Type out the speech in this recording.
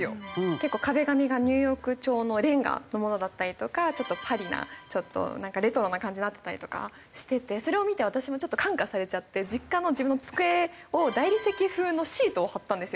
結構壁紙がニューヨーク調のレンガのものだったりとかパリなレトロな感じになってたりとかしててそれを見て私もちょっと感化されちゃって実家の自分の机を大理石風のシートを貼ったんですよ。